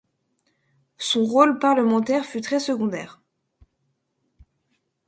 Son rôle parlementaire fut très secondaire.